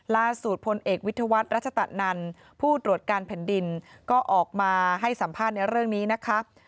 พลเอกวิทยาวัฒน์รัชตะนันผู้ตรวจการแผ่นดินก็ออกมาให้สัมภาษณ์ในเรื่องนี้นะคะ